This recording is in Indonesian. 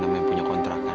namanya punya kontrakan